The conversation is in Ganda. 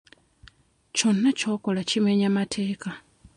Kyonna ky'okola kimenya mateeka.